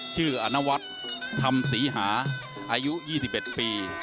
ชื่ออันวัดทำศรีหาอายุยี่สิบเอ็ดปี